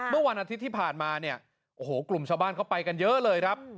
เมื่อวันอาทิตย์ที่ผ่านมาเนี่ยโอ้โหกลุ่มชาวบ้านเข้าไปกันเยอะเลยครับ